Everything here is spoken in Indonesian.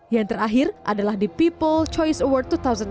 yang terakhir adalah the people choice award dua ribu delapan belas